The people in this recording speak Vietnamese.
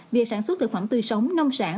việc sản xuất thực phẩm tươi sống nông sản